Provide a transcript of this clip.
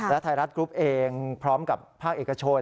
และไทยรัฐกรุ๊ปเองพร้อมกับภาคเอกชน